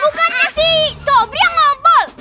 bukannya si sobri yang ngopol